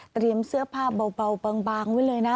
เตรียมเสื้อผ้าเบาบางไว้เลยนะ